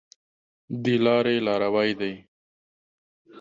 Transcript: د لاري لاروی دی .